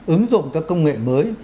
ứng dụng các công nghệ mới